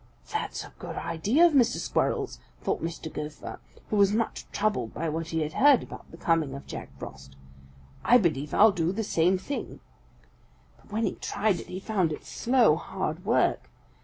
"'That's a good idea of Mr. Squirrel's,' thought Mr. Gopher, who was much troubled by what he had heard about the coming of Jack Frost. 'I believe I'll do the same thing.' But when he tried it, he found it slow, hard work.